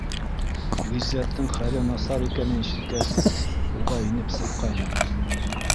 Ғиззәттең хәле насар икәнен ишеткәс, уға инеп сыҡҡайным.